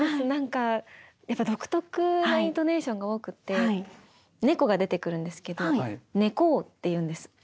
何かやっぱ独特なイントネーションが多くて猫が出てくるんですけど猫って言うんです。